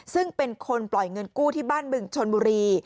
ซึ่งเป็นคนปล่อยเงินกู้ที่บ้านบึงชนบุรี